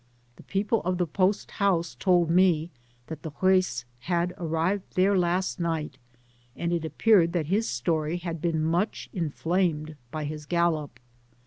The people of the post house told me, that the Juez had arrived there last night, and it appeared that his story had been much inflamed by his gallop.